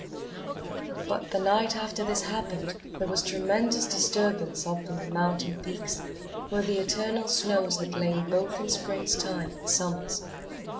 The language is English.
But, the night after this happened, there was tremendous disturbance up on the mountain peaks, where the eternal snows had lain both in Spring's time and Summer's.